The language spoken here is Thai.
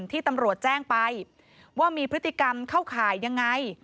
ที่ตำรวจแจ้งไปว่ามีพฤติกรรมเข้าข่ายยังไง